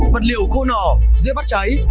vật liệu khô nỏ dễ bắt cháy